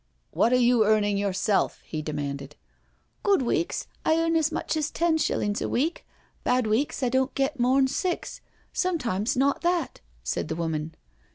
" What are you earning yourself?" he demanded.. BEFORE THE MAGISTRATE 97 " Good weeks I earn as much as ten shillings a week— bad weeks I don' get mor*n six— sometimes not that/' said the woman.